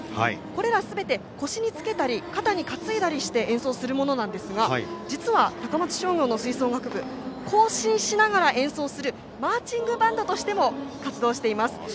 これらすべて腰につけたり肩に担いだりして演奏するものなんですが実は、高松商業の吹奏楽部行進しながら演奏するマーチングバンドとしても活動しています。